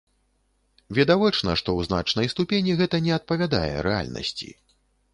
Відавочна, што ў значнай ступені гэта не адпавядае рэальнасці.